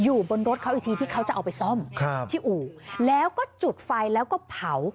อยู่บนรถเขาอีกทีที่เขาจะเอาไปซ่อมครับที่อู่แล้วก็จุดไฟแล้วก็เผา